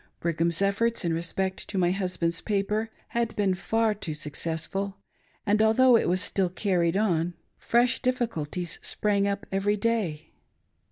Brigham's efforts in respect to my husband's paper had been far too suc cessful, and although it was still carried on, fresh difficulties sprang up every day.